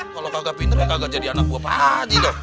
kalo kagak pinter kagak jadi anak gua paaji dong